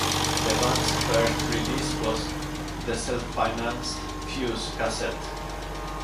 The band's first release was the self-financed "Fuse" cassette.